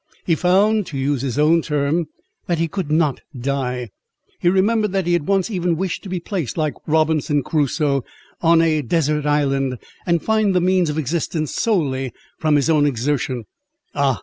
He found, to use his own term, that "he could not die." He remembered that he had once even wished to be placed, like Robinson Crusoe, on a desert island, and find the means of existence solely from his own exertion—"Ah!"